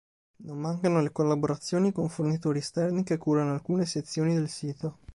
Non mancano le collaborazioni con fornitori esterni che curano alcune sezioni del sito.